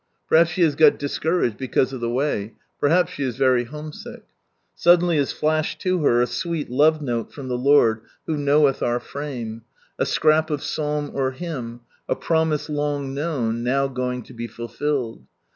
Perhaps she has got discouraged because of the way ; perhaps she is very homesick. Suddenly is fiaslied to her a sweet love nole from the Lord, who knoweth our frame— a scrap of psalm or hymn, a promise long known, now going to be fulfilled.